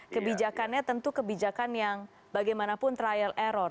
kebijakannya tentu kebijakan yang bagaimanapun trial error